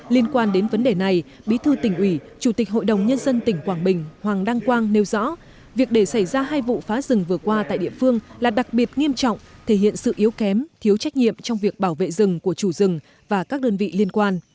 liên quan đến vấn đề này bí thư tỉnh ủy chủ tịch hội đồng nhân dân tỉnh quảng bình hoàng đăng quang nêu rõ việc để xảy ra hai vụ phá rừng vừa qua tại địa phương là đặc biệt nghiêm trọng thể hiện sự yếu kém thiếu trách nhiệm trong việc bảo vệ rừng của chủ rừng và các đơn vị liên quan